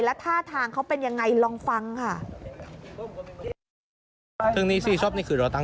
แล้วท่าทางเขาเป็นยังไงลองฟังค่ะ